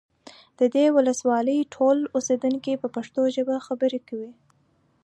د دې ولسوالۍ ټول اوسیدونکي په پښتو ژبه خبرې کوي